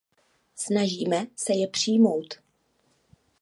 Snažíme se je přijmout.